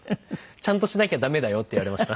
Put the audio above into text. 「ちゃんとしなきゃダメだよ」って言われました。